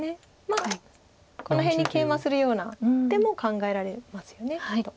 まあこの辺にケイマするような手も考えられますよねきっと。